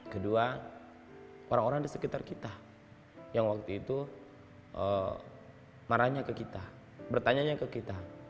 kedua orang orang di sekitar kita yang waktu itu marahnya ke kita bertanya ke kita